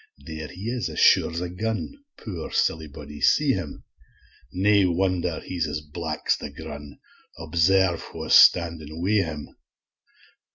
there he is, as sure's a gun, Poor, silly body, see him; Nae wonder he's as black's the grun, Observe wha's standing wi' him.